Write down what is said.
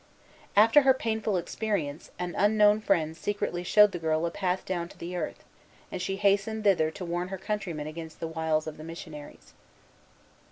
After her painful experience, an unknown friend secretly showed the girl a path down to the earth; and she hastened thither to warn her countrymen against the wiles of the missionaries.